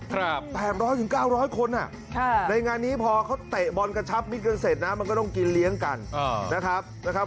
ครับ๘๐๐๙๐๐คนอ่ะในงานนี้พอเขาเตะบอลกระชับไม่เกินเสร็จนะมันก็ต้องกินเลี้ยงกันนะครับ